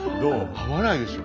合わないでしょ？